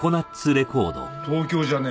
東京じゃね